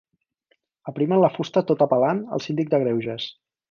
Aprimen la fusta tot apel·lant al Síndic de Greuges.